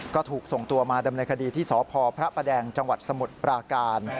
ก็ถูกส่งตัวมาดำเนินคดีที่สพพระประแดงจังหวัดสมุทรปราการ